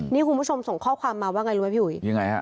นี่คุณผู้ชมส่งข้อความมาว่าไงรู้ไหมพี่หุย